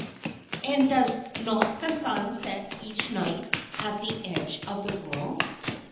And does not the sun set each night at the edge of the World?"